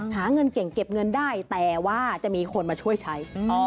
หาเงินเก่งเก็บเงินได้แต่ว่าจะมีคนมาช่วยใช้